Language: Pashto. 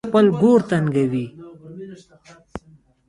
خپل ګور تنګوي.